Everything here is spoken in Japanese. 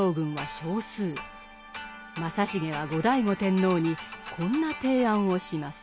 正成は後醍醐天皇にこんな提案をします。